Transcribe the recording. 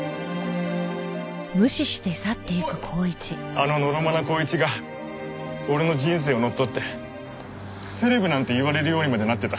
あののろまな光一が俺の人生を乗っ取ってセレブなんて言われるようにまでなってた。